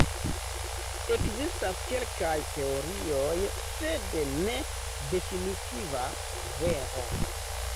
Ekzistas kelkaj teorioj, sed ne definitiva vero.